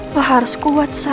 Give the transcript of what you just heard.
lo harus kuat sa